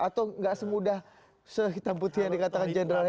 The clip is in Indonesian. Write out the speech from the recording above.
atau gak semudah sehitam putih yang dikatakan general editor